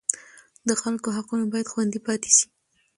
د خلکو حقونه باید خوندي پاتې شي.